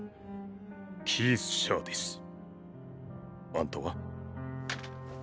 キース・シャーディス。あんたは？